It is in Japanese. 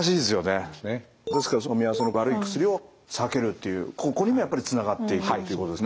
ですからのみ合わせの悪い薬を避けるっていうここにもやっぱりつながっていくっていうことですね。